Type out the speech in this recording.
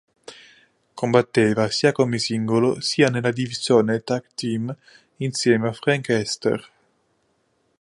Combatteva sia come singolo sia nella divisione tag team insieme a Frank Hester.